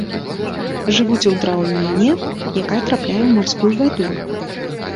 Жывуць у драўніне, якая трапляе ў марскую ваду.